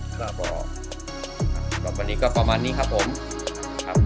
สำหรับวันนี้ก็ประมาณนี้ครับผม